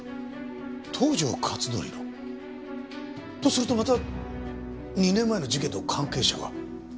東条克典の？とするとまた２年前の事件の関係者が？